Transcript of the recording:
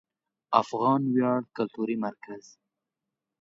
افغان ویاړ کلتوري مرکز